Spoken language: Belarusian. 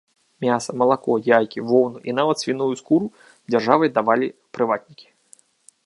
Мяса, малако, яйкі, воўну і нават свіную скуру дзяржаве давалі прыватнікі.